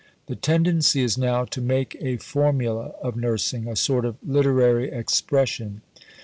"The tendency is now to make a formula of nursing; a sort of literary expression.